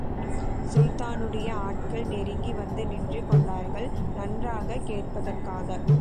சுல்தானுடைய ஆட்கள், நெருங்கி வந்து நின்று கொண்டார்கள், நன்றாகக் கேட்பதற்காக.